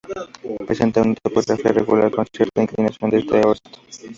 Presenta una topografía regular con cierta inclinación de este a oeste.